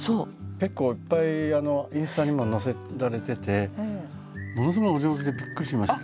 結構いっぱいインスタにも載せられててものすごいお上手でびっくりしました。